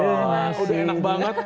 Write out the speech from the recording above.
udah enak banget